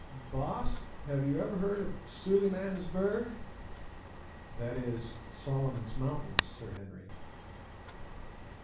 "'Baas, have you ever heard of Suliman's Berg?'—that is, Solomon's Mountains, Sir Henry.